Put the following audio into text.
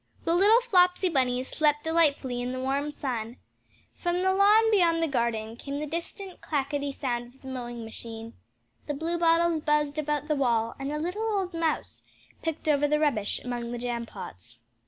The little Flopsy Bunnies slept delightfully in the warm sun. From the lawn beyond the garden came the distant clacketty sound of the mowing machine. The bluebottles buzzed about the wall, and a little old mouse picked over the rubbish among the jam pots.